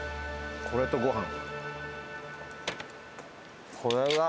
これとごはん。